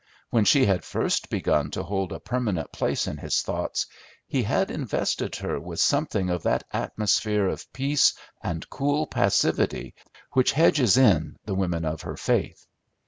When she had first begun to hold a permanent place in his thoughts he had invested her with something of that atmosphere of peace and cool passivity which hedges in the women of her faith.